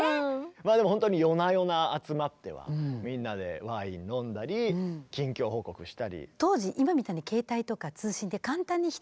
まあでもほんとに夜な夜な集まってはみんなでワイン飲んだり近況報告したり。